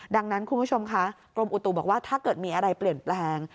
ดังนั้นคุณผู้ชมคะกรมอุตุบอกว่าถ้าเกิดมีอะไรเปลี่ยนแปลง